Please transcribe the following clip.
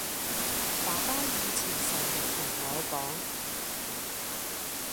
爸爸以前成日同我講